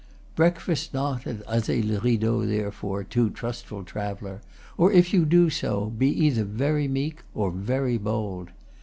Breakfast not at Azay le Rideau, therefore, too trustful traveller; or if you do so, be either very meek or very bold.